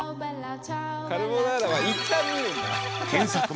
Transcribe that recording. カルボナーラはいったん見るんだ。